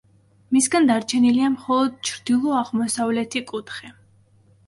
მისგან გადარჩენილია მხოლოდ ჩრდილო-აღმოსავლეთი კუთხე.